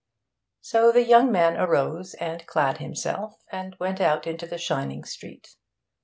So the young man arose and clad himself, and went out into the shining street.